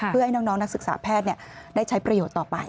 เพื่อให้น้องนักศึกษาแพทย์ได้ใช้ประโยชน์ต่อไป